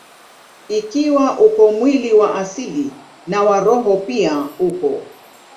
Ikiwa uko mwili wa asili, na wa roho pia uko.